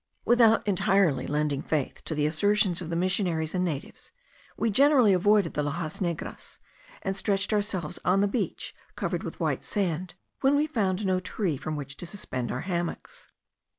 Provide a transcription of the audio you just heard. Without entirely lending faith to the assertions of the missionaries and natives, we generally avoided the laxas negras, and stretched ourselves on the beach covered with white sand, when we found no tree from which to suspend our hammocks.